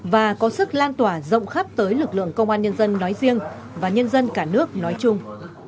và có sức lan tỏa rộng khắp tới lực lượng công an nhân dân nói riêng và nhân dân cả nước nói chung